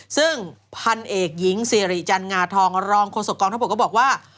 ซึ่งพันเอกหญิงสิริจันงาทองรองโฆษกองทัพบกก็บอกว่า